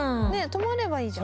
泊まればいいじゃん。